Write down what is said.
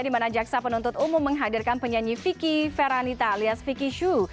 dimana jaksa penuntut umum menghadirkan penyanyi vicky ferranita alias vicky xu